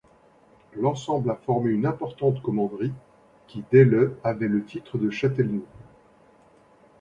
L'ensemble a formé une importante commanderie, qui dès le avait le titre de châtellenie.